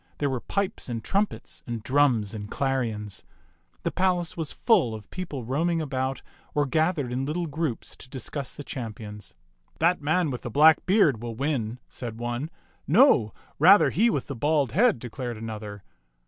There were pipes and trumpets and drums and clarions. The palace was full of people roaming about or gathered in little groups to discuss the champions. "That man with the black beard will win," said one. "No, rather he with the bald head," declared another.